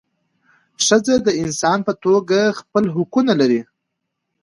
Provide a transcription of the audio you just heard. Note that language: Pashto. ښځه د انسان په توګه خپل حقونه لري.